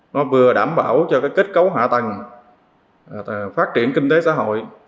nó vừa đảm bảo cho cái kết cấu hạ tầng phát triển kinh tế xã hội